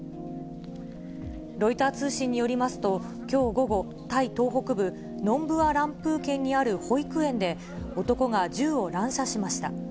ロイター通信によりますと、きょう午後、タイ東北部ノンブアランプー県にある保育園で、男が銃を乱射しました。